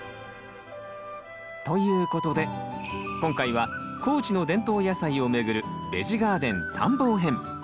ということで今回は高知の伝統野菜を巡る「ベジ・ガーデン探訪編」。